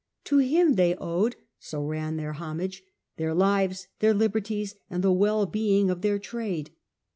^ To him they owed,' so ran their homage, ^ their lives, their liberties, and the wellbeing of their trade.